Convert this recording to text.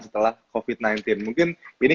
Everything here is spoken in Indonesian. setelah covid sembilan belas mungkin ini